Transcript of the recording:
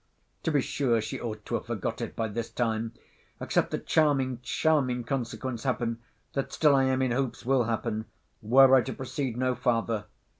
To be sure she ought to have forgot it by this time, except the charming, charming consequence happen, that still I am in hopes will happen, were I to proceed no farther.